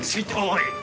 おい！